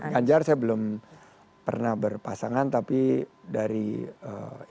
ganjar saya belum pernah berpasangan tapi dari ee